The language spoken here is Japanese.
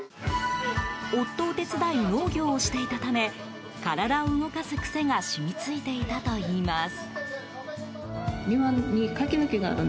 夫を手伝い、農業をしていたため体を動かす癖が染みついていたといいます。